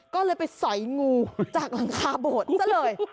ก็เลยไปสอยงูจากหลังคาโบดซะเลย